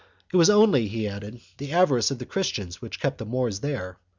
It was only, he added, the avarice of the Christians which kept the Moors there.